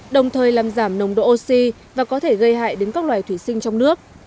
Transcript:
đồng thời làm giảm nồng độ oxy và có thể gây hại đến các loài thủy sinh trong nước